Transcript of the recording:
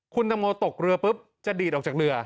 คุณตังโมตกเรือปุ๊บจะดีดออกจากเรือ